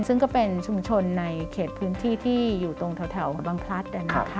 ซึ่งก็เป็นชุมชนในเขตพื้นที่ที่อยู่ตรงแถวบังพลัด